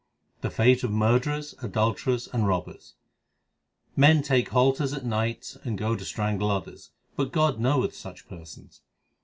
The fate of murderers, adulterers, and robbers : Men take halters at night and go to strangle others, but God knoweth such persons.